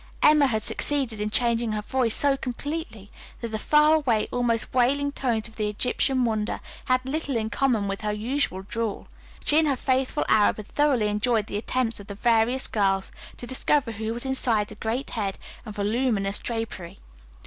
Emma had succeeded in changing her voice so completely that the far away, almost wailing tones of the Egyptian wonder had little in common with her usual drawl. She and her faithful Arab had thoroughly enjoyed the attempts of the various girls to discover who was inside the great head and voluminous drapery.